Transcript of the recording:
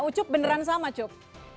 ucup beneran sama cup